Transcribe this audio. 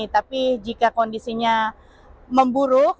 tapi jika kondisinya memburuk